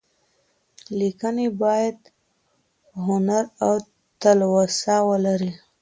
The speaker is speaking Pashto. ليکنې بايد هنر او تلوسه ولري.